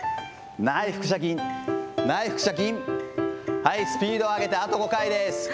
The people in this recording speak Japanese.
内腹斜筋、内腹斜筋、はい、スピード上げてあと５回です。